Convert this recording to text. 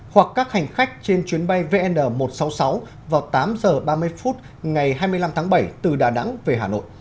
hoặc các hành khách trên chuyến bay vn một trăm sáu mươi sáu vào tám h ba mươi phút ngày hai mươi năm tháng bảy từ đà nẵng về hà nội